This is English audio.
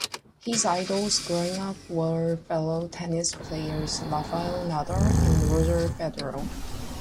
His idols growing up were fellow tennis players Rafael Nadal and Roger Federer.